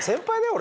俺。